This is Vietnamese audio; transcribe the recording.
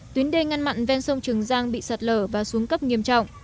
tuyến đê ngăn mặn ven sông trường giang bị sạt lở và xuống cấp nghiêm trọng